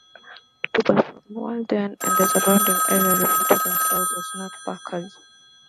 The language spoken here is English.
People from Walden and the surrounding area refer to themselves as "North Parkers".